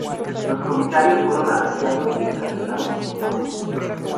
Los comisarios fueron arrestados y encarcelados en Bakú.